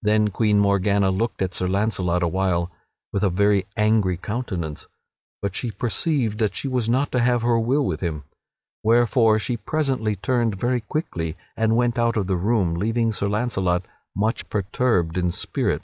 Then Queen Morgana looked at Sir Launcelot awhile with a very angry countenance, but she perceived that she was not to have her will with him, wherefore she presently turned very quickly and went out of the room, leaving Sir Launcelot much perturbed in spirit.